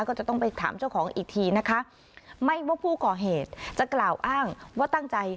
ก็จะต้องไปถามเจ้าของอีกทีนะคะไม่ว่าผู้ก่อเหตุจะกล่าวอ้างว่าตั้งใจ